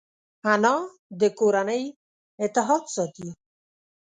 انا د کورنۍ اتحاد ساتي